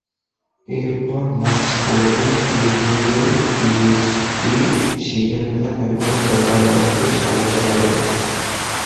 এরপর মস্কোভিজ দুই দিনেই পিএইচপি শিখে ফেলেন এবং জাকারবার্গকে সাহায্য করেন।